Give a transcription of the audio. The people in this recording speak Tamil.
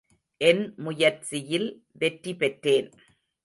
என் முயற்சியில் வெற்றி பெற்றேன்.